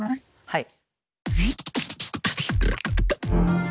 はい。